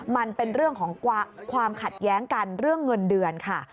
มันเป็นเรื่องของความขัดแย้งกันเรื่องเงินเดือนค่ะ